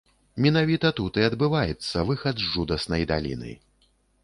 Менавіта тут і адбываецца выхад з жудаснай даліны.